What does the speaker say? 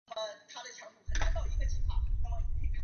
积极有序推进企事业单位复工复产